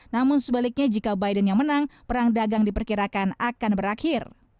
namun sebaliknya jika biden yang menang perang dagang diperkirakan akan berakhir